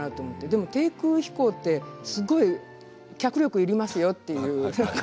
でも低空飛行ってすごい脚力がいりますよという。